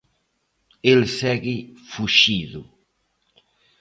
El segue fuxido.